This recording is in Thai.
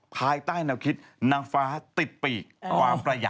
ภายใต้แนวคิดนางฟ้าติดปีกความประหยัด